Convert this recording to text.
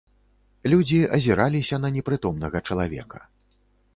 Людзі азіраліся на непрытомнага чалавека.